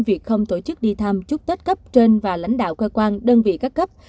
việc không tổ chức đi thăm chúc tết cấp trên và lãnh đạo cơ quan đơn vị các cấp